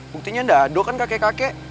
buktinya daduh kan kakek kakek